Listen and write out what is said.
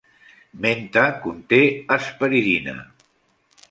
Menta conté hesperidina.